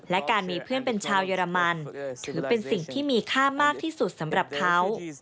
และการมีเพื่อนเป็นชาวเยอรมันถือเป็นสิ่งที่มีค่ามากที่สุดสำหรับเขา